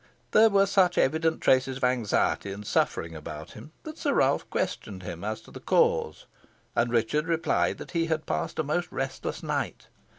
There were such evident traces of anxiety and suffering about him, that Sir Ralph questioned him as to the cause, and Richard replied that he had passed a most restless night.